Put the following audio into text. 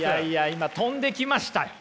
今飛んできましたよ。